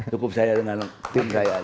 cukup saya dengan tim saya